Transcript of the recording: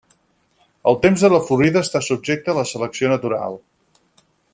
El temps de la florida està subjecte a la selecció natural.